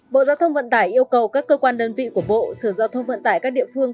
bộ giao thông vận tải yêu cầu các cơ quan đơn vị của bộ sở giao thông vận tải các địa phương